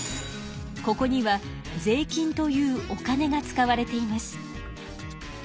ここには税金というお金が使われています。